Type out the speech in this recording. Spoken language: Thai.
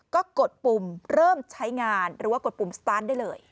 ก็กดปุ่มเริ่มใช้งานหรือว่ากดปุ่มสตาร์ทได้เลย